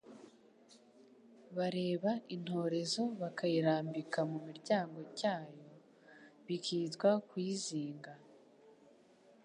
bareba intorezo bakayirambika mu kiryamo cyayo, bikitwa kuyizinga,